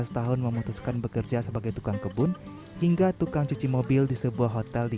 dua belas tahun memutuskan bekerja sebagai tukang kebun hingga tukang cuci mobil di sebuah hotel di